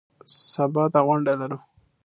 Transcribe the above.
سبا ته غونډه لرو .